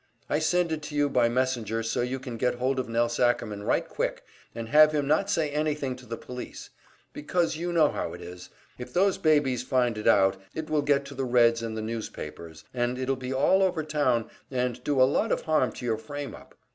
I send it to you by messenger so you can get hold of Nelse Ackerman right quick, and have him not say anything to the police; because you know how it is if those babies find it out, it will get to the Reds and the newspapers, and it'll be all over town and do a lot of harm to your frame up.